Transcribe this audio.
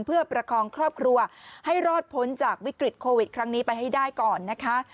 เพื่อประคองครอบครัวให้รอดพ้นจากวิกฤตโควิดครั้งนี้ไปให้ได้ก่อนนะคะ